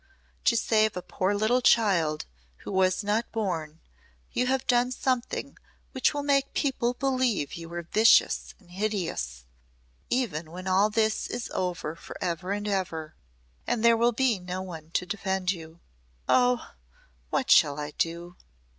To save a poor little child who was not born, you have done something which will make people believe you were vicious and hideous even when all this is over forever and ever. And there will be no one to defend you. Oh! What shall I do!"